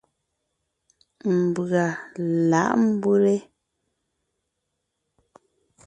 Mbʉ̀a lǎʼ mbʉ́le ?